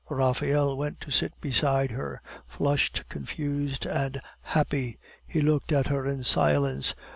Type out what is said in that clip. Raphael went to sit beside her, flushed, confused, and happy; he looked at her in silence.